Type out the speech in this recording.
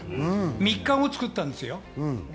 ３日も作ったんですよ。